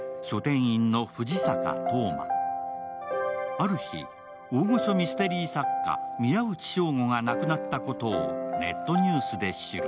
ある日、大御所ミステリー作家宮内彰吾が亡くなったことをネットニュースで知る。